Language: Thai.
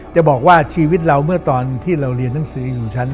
จะบอกว่าชีวิตเราเมื่อตอนที่เราเรียนหนังสืออยู่ชั้น